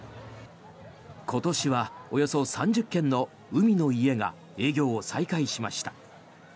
今年はおよそ３０軒の海の家が営業を再開しました。